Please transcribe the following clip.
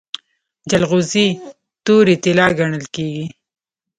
جلغوزي تورې طلا ګڼل کیږي.